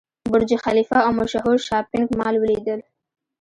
برج خلیفه او مشهور شاپینګ مال ولیدل.